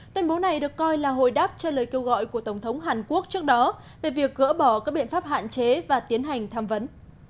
tuyên bố này được coi là hồi đáp cho lời kêu gọi của tổng thống hàn quốc trước đó về việc gỡ bỏ các biện pháp hạn chế và tiến hành tham vấn